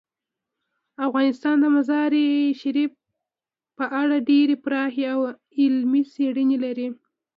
افغانستان د مزارشریف په اړه ډیرې پراخې او علمي څېړنې لري.